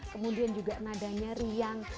kemudian juga nadanya riang